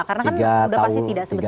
karena kan sudah pasti tidak sebentar ya